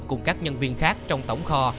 cùng các nhân viên khác trong tổng kho